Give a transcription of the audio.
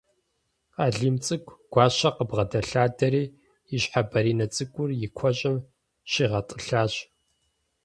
Алим цӏыкӏу Гуащэ къыбгъэдэлъадэри, и щхьэ бэринэ цӏыкӏур и куэщӏым щигъэтӏылъащ.